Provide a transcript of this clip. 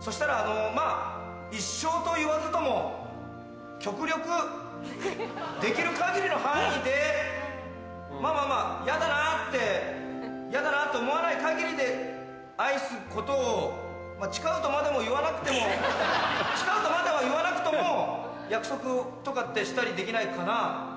そしたらまぁ一生といわずとも極力できる限りの範囲でまぁまぁまぁヤダなぁってヤダなぁと思わない限りで愛すことを誓うとまでもいわなくとも誓うとまではいわなくとも約束とかってしたりできないかなぁ？